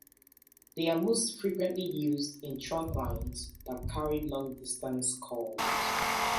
They are most frequently used in trunklines that carry long distance calls.